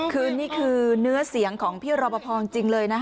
คือนี่คือเนื้อเสียงของพี่รอปภจริงเลยนะคะ